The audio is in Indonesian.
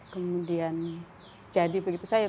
kemudian jadi begitu saja